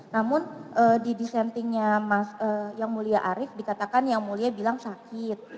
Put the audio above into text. namun di dissentingnya yang mulia arief dikatakan yang mulia bilang sakit